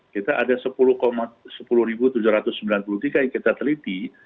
kita ada sepuluh sepuluh tujuh ratus sembilan puluh tiga yang kita teliti